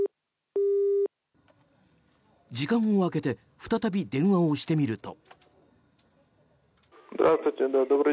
時間を空けて再び電話をしてみると。